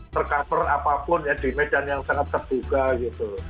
tercover apapun ya di medan yang sangat terbuka gitu